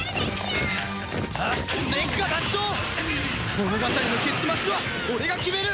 物語の結末は俺が決める！